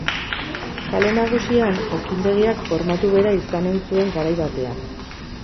Kale Nagusian, okindegiak formatu bera izanen zuen garai batean.